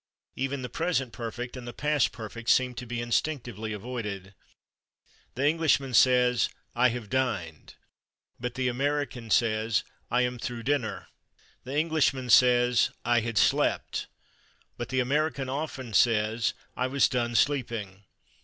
Even the present perfect and the past perfect seem to be instinctively avoided. The Englishman says "I /have/ dined," but the American says "I /am through/ dinner"; the Englishman says "I /had/ slept," but the American often says "I /was done/ sleeping."